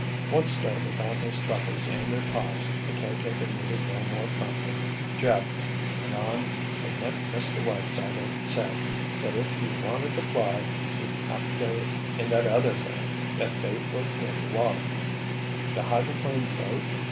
Once started on his troubles and their cause, the caretaker needed no more prompting. Jeff, he went on, had met Mr. Whiteside and said that if he wanted to fly he'd have to go in that other thing that they put in the water——" "The hydroplane boat?"